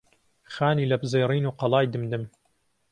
خانی لەپزێڕین و قەڵای دمدم